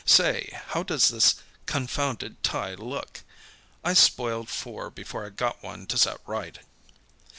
Say, how does this confounded tie look? I spoiled four before I got one to set right."